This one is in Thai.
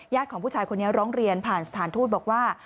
ของผู้ชายคนนี้ร้องเรียนผ่านสถานทูตบอกว่า